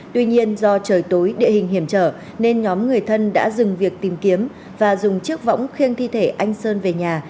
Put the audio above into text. tuy nhiên do trời tối địa hình hiểm trở nên nhóm người thân đã dừng việc tìm kiếm và dùng chiếc võng khiêng thi thể anh sơn về nhà